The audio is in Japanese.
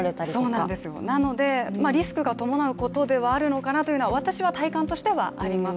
そうなんですよ、なのでリスクが伴うことではあるのかというのが私は、体感としてはあります。